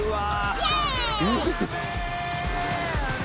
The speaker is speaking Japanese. イェーイ！